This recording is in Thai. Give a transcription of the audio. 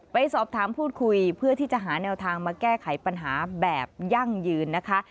ไปสอบถามพูดคุยเพื่อที่จะหาแนวทางมาแก้ไขปัญหาแบบยั่งยืนนะคะ